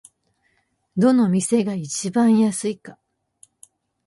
どの店が一番安いか